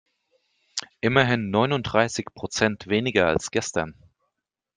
Immerhin neununddreißig Prozent weniger als gestern.